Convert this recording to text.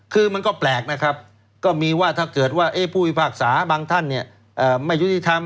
คือมันก็แปลกนะครับก็มีว่าถ้าเกิดว่าผู้พิพากษาบางท่านไม่ยุติธรรม